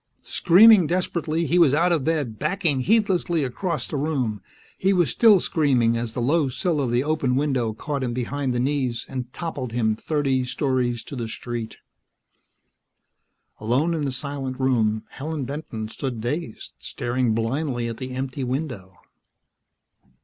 Screaming desperately, he was out of bed, backing heedlessly across the room. He was still screaming as the low sill of the open window caught him behind the knees and toppled him thirty stories to the street. Alone in the silent room, Helen Benton stood dazed, staring blindly at the empty window.